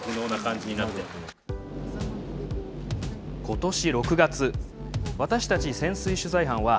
今年６月私たち潜水取材班は「＃